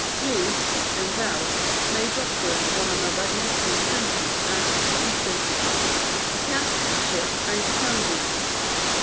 "You" and "thou" may jostle one another in the same sentence, as, for instance :" You can't catch it, I tell thee."